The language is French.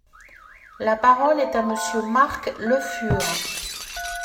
La parole est à Monsieur Marc Le Fur.